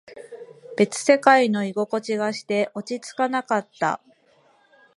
別世界の居心地がして、落ち着かなかった。